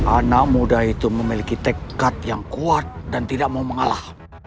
anak muda itu memiliki tekad yang kuat dan tidak mau mengalah